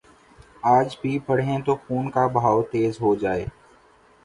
آج بھی پڑھیں تو خون کا بہاؤ تیز ہو جائے۔